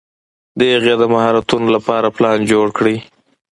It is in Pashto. د هغې د مهارولو لپاره پلان جوړ کړي.